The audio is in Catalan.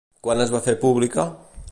Quan es va fer pública?